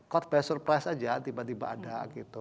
court by surprise aja tiba tiba ada gitu